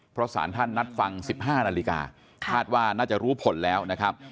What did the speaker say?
เพราะสารท่านนัดฟัง๑๕นาฬิกาคาดว่าน่าจะรู้ผลแล้วนะครับ